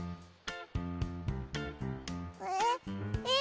えっ？えっ？